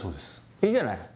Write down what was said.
いいじゃない。